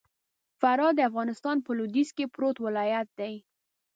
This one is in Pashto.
فراه د افغانستان په لوېديځ کي پروت ولايت دئ.